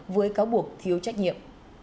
với cáo buộc thiếu trách nhiệm